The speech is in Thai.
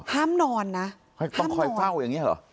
ห้ามนอนนะต้องคอยเฝ้าอย่างนี้เหรอ